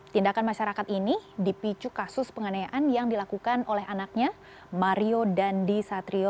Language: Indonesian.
tindakan masyarakat ini dipicu kasus penganayaan yang dilakukan oleh anaknya mario dandi satrio